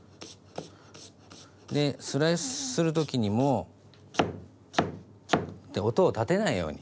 でスライスする時にも。って音を立てないように。